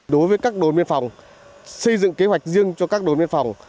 đối với các đồn biên phòng xây dựng kế hoạch riêng cho các đồn biên phòng